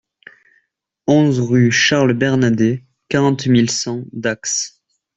onze rue Charles Bernadet, quarante mille cent Dax